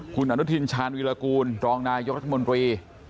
คุณอนุทินชาญวิรากูลรองนายกรัฐมนตรี